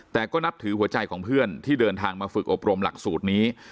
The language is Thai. แต่ก็นับถือหัวใจของเพื่อนที่เดินทางมาฝึกอบรมหลักสูตรนี้